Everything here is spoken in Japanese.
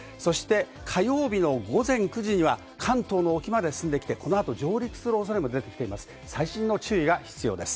火曜日の午前９時には関東の沖まで進んで、このあと上陸する恐れも出てきます。